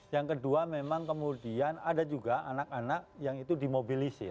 yang kedua memang kemudian ada juga anak anak yang itu dimobilisir